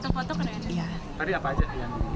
tadi apa aja yang lihat di museum